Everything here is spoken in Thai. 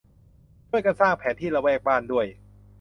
ช่วยกันสร้างแผนที่ละแวกบ้าน ด้วย